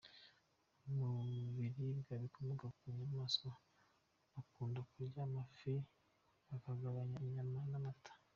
Mu biribwa bikomoka ku nyamaswa, bakunda kurya amafi, bakagabanya inyama, namata.